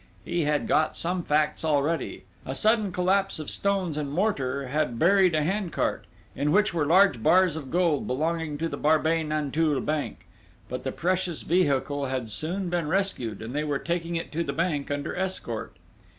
He had got some facts already: a sudden collapse of stones and mortar had buried a hand cart, in which were large bars of gold belonging to the Barbey Nanteuil bank. But the precious vehicle had soon been rescued, and they were taking it to the bank under escort.